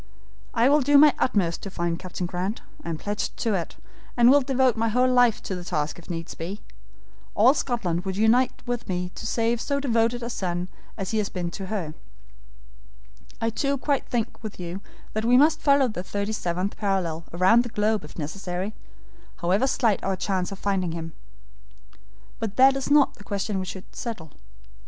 I will do my utmost to find Captain Grant; I am pledged to it, and will devote my whole life to the task if needs be. All Scotland would unite with me to save so devoted a son as he has been to her. I too quite think with you that we must follow the thirty seventh parallel round the globe if necessary, however slight our chance of finding him. But that is not the question we have to settle.